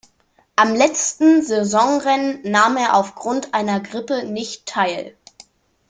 Am letzten Saisonrennen nahm er aufgrund einer Grippe nicht teil.